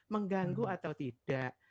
mengganggu atau tidak